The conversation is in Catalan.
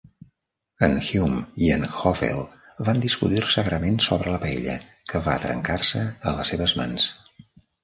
En Hume i en Hovell van discutir-se agrament sobre la paella, que va trencar-se a les seves mans.